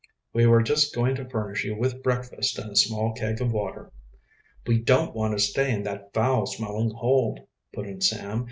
"We were just going to furnish you with breakfast and a small keg of water." "We don't want to stay in that foul smelling hold," put in Sam.